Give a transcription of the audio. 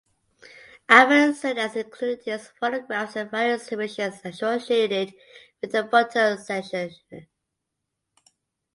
Alfred Stieglitz included his photographs in various exhibitions associated with the Photo Secession.